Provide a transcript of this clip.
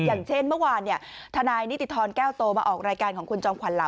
อย่างเช่นเมื่อวานทนายนิติธรแก้วโตมาออกรายการของคุณจอมขวัลเห